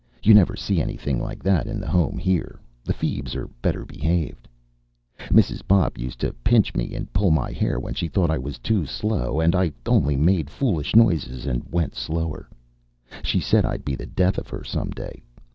You never see anything like that in the Home here. The feebs are better behaved. Mrs. Bopp used to pinch me and pull my hair when she thought I was too slow, and I only made foolish noises and went slower. She said I'd be the death of her some day.